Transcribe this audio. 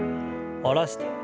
下ろして。